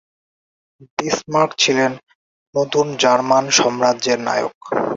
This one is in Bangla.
বিসমার্ক ছিলেন নতুন জার্মান সাম্রাজ্যের নায়ক।